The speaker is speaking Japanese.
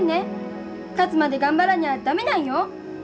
勝つまで頑張らにゃ駄目なんよ！